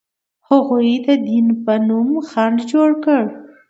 هغوی د دین په نوم خنډ جوړ کړ.